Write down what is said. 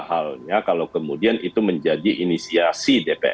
bahwa tentu berbeda halnya kalau kemudian itu menyebabkan perpu yang ditolak